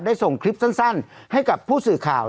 ส่งคลิปสั้นให้กับผู้สื่อข่าว